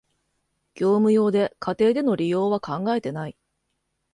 業務用で、家庭での利用は考えてない